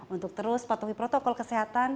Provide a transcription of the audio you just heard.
untuk terus patuhi protokol kesehatan